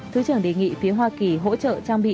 thứ trưởng đề nghị phía hoa kỳ hỗ trợ trang bị